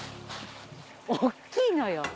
大っきいのよ